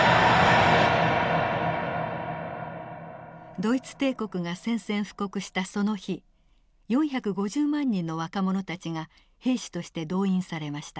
ドイツ帝国が宣戦布告したその日４５０万人の若者たちが兵士として動員されました。